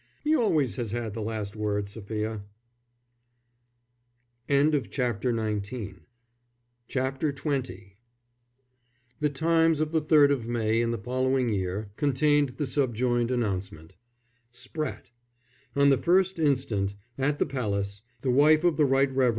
"He always has had the last word, Sophia." XX The Times of the third of May in the following year contained the subjoined announcement: _SPRATTE. On the 1st instant, at the Palace, the wife of the Right Revd.